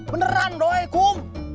beneran doi kum